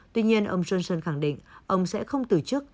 tuy nhiên ông johnson khẳng định ông sẽ không từ chức